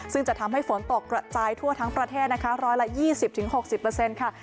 ซึ่งจะทำให้ฝนตกระจายทั่วทั้งประเทศนะคะร้อยละยี่สิบถึงหกสิบเปอร์เซ็นต์ค่ะ